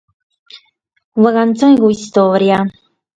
Una cantzone cun istòria.